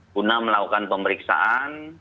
guna melakukan pemeriksaan